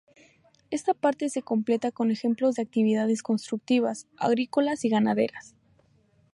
Esta parte se completa con ejemplos de actividades constructivas, agrícolas y ganaderas.